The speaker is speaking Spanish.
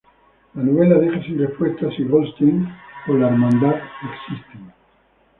La novela deja sin respuesta si Goldstein o la Hermandad existen.